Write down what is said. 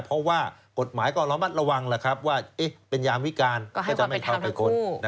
เพราะว่ากฎหมายก็ระมัดระวังว่าเป็นยามวิการก็จะไม่เข้าไปค้น